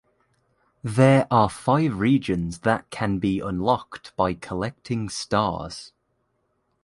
There are five regions that can be unlocked by collecting stars.